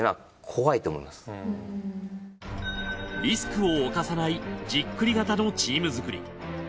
リスクを冒さないじっくり型のチーム作り。